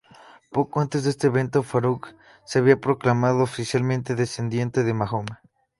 Poco antes de este evento, Faruq se había proclamado oficialmente descendiente de Mahoma.